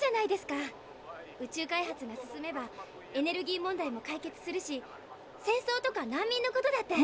宇宙開発が進めばエネルギー問題も解決するし戦争とか難民のことだって。